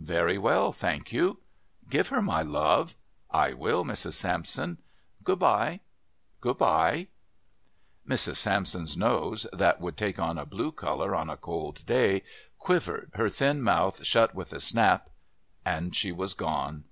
"Very well, thank you." "Give her my love." "I will, Mrs. Sampson." "Good bye." "Good bye." Mrs. Sampson's nose, that would take on a blue colour on a cold day, quivered, her thin mouth shut with a snap, and she was gone.